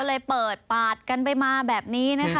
เลยเปิดปาดกันไปมาแบบนี้นะคะ